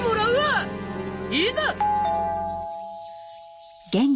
いざ！